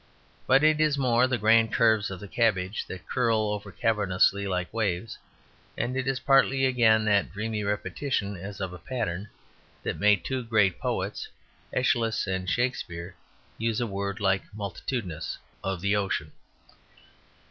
But it is more the grand curves of the cabbage that curl over cavernously like waves, and it is partly again that dreamy repetition, as of a pattern, that made two great poets, Eschylus and Shakespeare, use a word like "multitudinous" of the ocean.